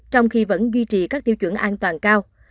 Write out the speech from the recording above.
trong khi vẫn duy trì các tiêu chuẩn an toàn cao